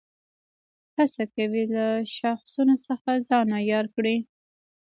هڅه کوي له شاخصونو سره ځان عیار کړي.